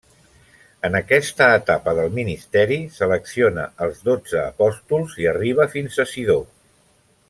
En aquesta etapa del ministeri selecciona els dotze apòstols i arriba fins a Sidó.